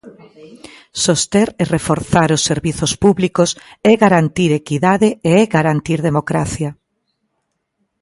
Soster e reforzar os servizos públicos é garantir equidade e é garantir democracia.